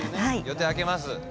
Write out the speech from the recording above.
予定空けます。